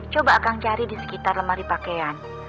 coba kang cari di sekitar lemari pakaian